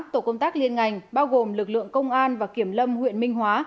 một tổ công tác liên ngành bao gồm lực lượng công an và kiểm lâm huyện minh hóa